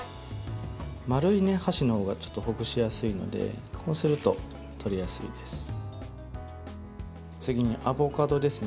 丸い箸のほうがほぐしやすいのでこうすると取りやすいです。